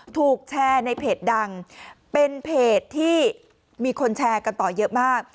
ถูกแชร์ในเพจดังเป็นเพจที่มีคนแชร์กันต่อเยอะมาก